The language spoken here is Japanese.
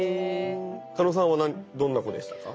加納さんはどんな子でしたか？